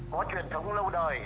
có truyền thống lâu đời